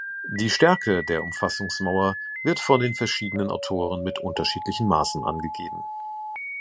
Die Stärke der Umfassungsmauer wird von den verschiedenen Autoren mit unterschiedlichen Maßen angegeben.